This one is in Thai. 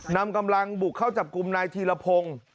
นำกำลังบุกเข้าจับกลุ่มนายธีรพงศ์